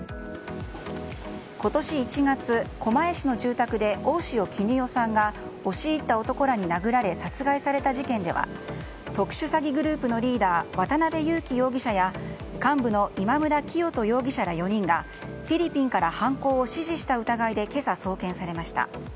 今年１月、狛江市の住宅で大塩衣与さんが押し入った男らに殴られ殺害された事件では特殊詐欺グループのリーダー渡辺優樹容疑者や幹部の今村磨人容疑者ら４人がフィリピンから犯行を指示した疑いで今朝、送検されました。